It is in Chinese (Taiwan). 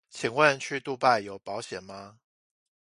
請問去杜拜有保險嗎